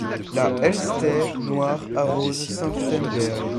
La Elster Noire arrose Senftenberg.